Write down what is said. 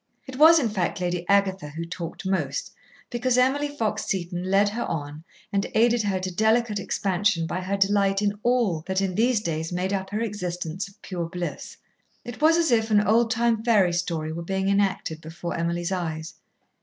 It was, in fact, Lady Agatha who talked most, because Emily Fox Seton led her on and aided her to delicate expansion by her delight in all that in these days made up her existence of pure bliss. It was as if an old time fairy story were being enacted before Emily's eyes.